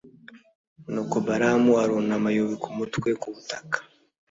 nuko balamu arunama yubika umutwe ku butaka.